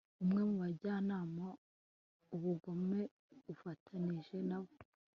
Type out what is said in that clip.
umwe mu bajyanama ubugome ufatanije nabo